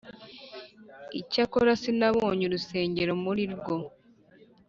Icyakora sinabonye urusengero muri rwo,